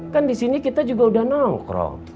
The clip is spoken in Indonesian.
kan di sini kita juga udah nongkrong